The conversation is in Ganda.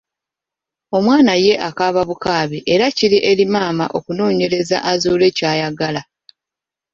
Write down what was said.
Omwana ye akaababukaabi era kiri eri maama okunoonyereza azuule ky'ayagala!